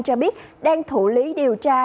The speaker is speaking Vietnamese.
cho biết đang thủ lý điều tra